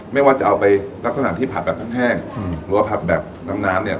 ไม่ว่าจะเอาไปลักษณะที่ผัดแบบแห้งหรือว่าผัดแบบน้ำน้ำเนี่ย